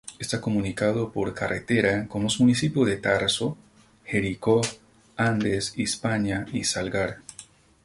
Está comunicado por carretera con los municipios de Tarso, Jericó, Andes, Hispania y Salgar.